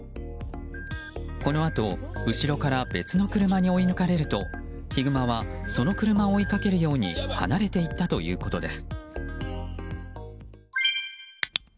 このあと、後ろから別の車に追い抜かれるとヒグマはその車を追いかけるように離れていったということです。